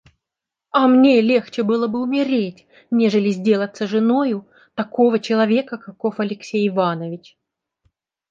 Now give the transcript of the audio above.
А мне легче было бы умереть, нежели сделаться женою такого человека, каков Алексей Иванович.